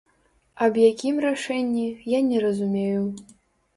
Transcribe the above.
Аб якім рашэнні, я не разумею.